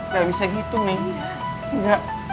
gak bisa gitu neng